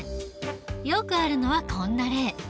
よくあるのはこんな例。